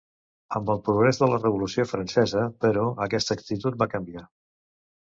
Amb el progrés de la Revolució Francesa, però, aquesta actitud va canviar.